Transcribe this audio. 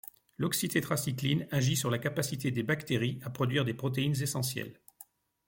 L'oxytétracycline agit sur la capacité des bactéries à produire des protéines essentielles.